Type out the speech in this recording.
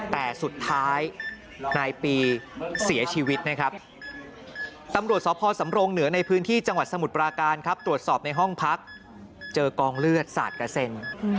แต่สุดท้ายนายปีเสียชีวิตนะครับตำรวจสพสำรงเหนือในพื้นที่จังหวัดสมุทรปราการครับตรวจสอบในห้องพักเจอกองเลือดสาดกระเซ็น